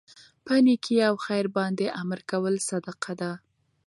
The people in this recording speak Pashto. په نيکي او خیر باندي امر کول صدقه ده